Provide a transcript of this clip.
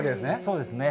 そうですね。